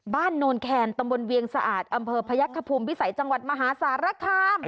โนนแคนตำบลเวียงสะอาดอำเภอพยักษภูมิวิสัยจังหวัดมหาสารคาม